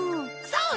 そう！